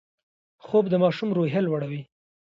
خوب د ماشوم روحیه لوړوي